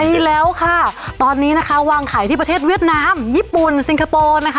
ใช่ค่ะตอนนี้นะคะวางขายที่พื้นเทศเวียดน้ำญี่ปุ่นสิงคโปร์นะคะ